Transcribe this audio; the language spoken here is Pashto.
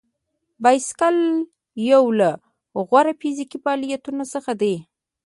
بایسکل یو له غوره فزیکي فعالیتونو څخه دی.